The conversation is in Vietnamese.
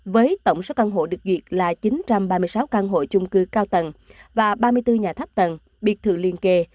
với tổng số căn hộ được duyệt là chín trăm ba mươi sáu căn hộ chung cư cao tầng và ba mươi bốn nhà thấp tầng biệt thự liên kề